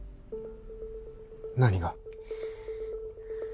何が？